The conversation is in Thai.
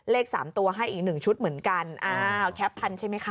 เลข๓ตัวให้อีก๑ชุดเหมือนกันอ้าวแคปพันใช่ไหมค่ะ